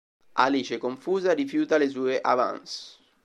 Alice, confusa rifiuta le sue avances.